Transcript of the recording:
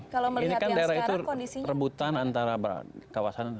kalau misalnya kita lihat daerah itu rebutan antara kawasan